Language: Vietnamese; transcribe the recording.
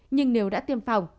nhưng nếu đã tiêm phòng